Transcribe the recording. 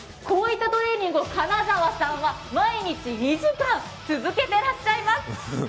こういったトレーニングを金澤さんは毎日２時間続けてらっしゃいます。